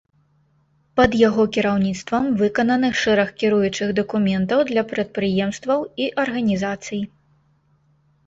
Пад яго кіраўніцтвам выкананы шэраг кіруючых дакументаў для прадпрыемстваў і арганізацый.